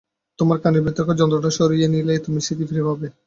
তোমার কানের ভেতরকার যন্ত্রটা সরিয়ে নিলেই তুমি স্মৃতি ফিরে পাবে।